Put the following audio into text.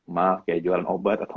mah kayak jualan obat atau